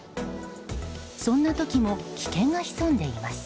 そんな時も危険が潜んでいます。